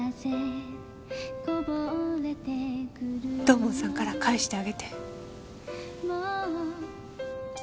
土門さんから返してあげて。